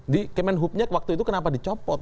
di kemen hubnya waktu itu kenapa dicopot